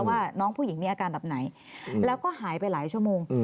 ว่าน้องผู้หญิงมีอาการแบบไหนแล้วก็หายไปหลายชั่วโมง